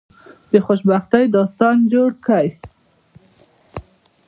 د خوشبختی داستان جوړ کړی.